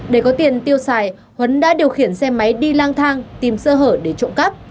để có tiền tiêu xài huấn đã điều khiển xe máy đi lang thang tìm sơ hở để trộm cắp